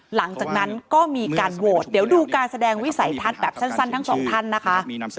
หลังจากนั้นก็มีการโหวตเดี๋ยวดูการแสดงวิสัยทัศน์แบบสั้นทั้งสองท่านนะคะ